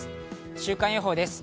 週間予報です。